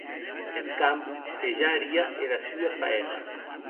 Eth camp que ja harie era sua faena.